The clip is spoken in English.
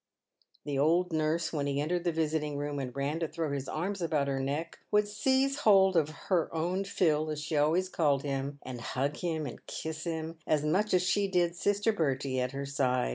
The old nurse, when he entered the visiting room, and ran to throw his arms about her neck, would seize hold of " her own Phil," as she always called him, and hug and kiss him as much as she did sister Bertie at her side.